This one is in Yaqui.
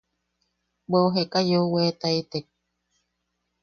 Bweʼu jeeka yeu weetaitek.